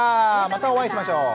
またお会いしましょう。